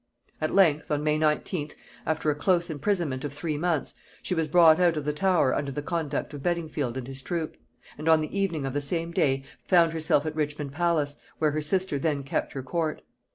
At length, on May 19th, after a close imprisonment of three months, she was brought out of the Tower under the conduct of Beddingfield and his troop; and on the evening of the same day found herself at Richmond Palace, where her sister then kept her court.